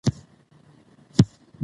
سیستم مخکې له اصلاحاتو کمزوری سوی و.